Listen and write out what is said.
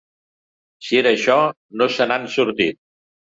Si era això, no se n’han sortit.